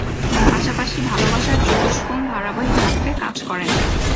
পাশাপাশি "ভালোবাসার চতুষ্কোণ" ধারাবাহিক নাটকে কাজ করেন।